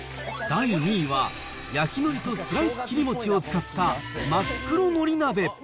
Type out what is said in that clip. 第２位は焼きのりとスライス切り餅を使ったまっ黒のり鍋。